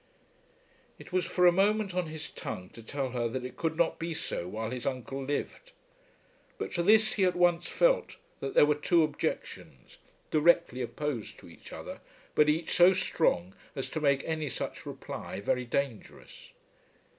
It was for a moment on his tongue to tell her that it could not be so while his uncle lived; but to this he at once felt that there were two objections, directly opposed to each other, but each so strong as to make any such reply very dangerous.